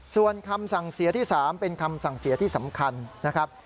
ส่วนคำสั่งเสียที่๓เป็นคำสั่งเสียที่สำคัญนะครับ